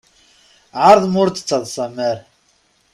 Ɛeṛḍem ur d-ttaḍsam ara.